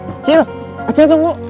acil acil tunggu